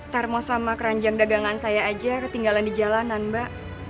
termos sama keranjang dagangan saya aja ketinggalan di jalanan mbak